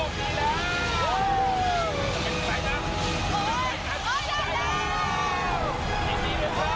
กลางท้อไป